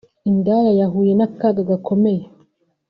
iy’indaya yahuye n’akaga gakomeye